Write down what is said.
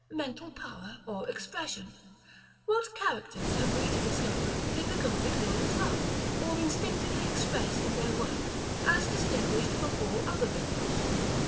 Mental Power or Expression. What characters, we have to discover, did the Gothic builders love, or instinctively express in their work, as distinguished from all other builders?